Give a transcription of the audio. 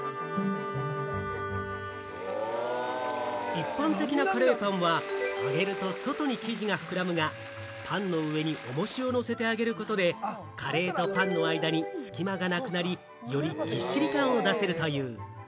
一般的なカレーパンは揚げると外に生地が膨らむが、パンの上に重しをのせて揚げることでカレーとパンの間に隙間がなくなり、よりぎっしり感を出せるという。